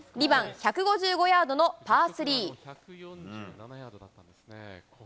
２番１５５ヤードのパー３。